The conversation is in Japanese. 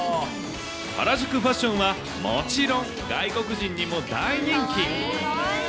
原宿ファッションはもちろん、外国人にも大人気。